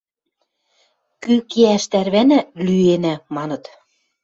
– Кӱ кеӓш тӓрвӓнӓ, лӱэнӓ! – маныт.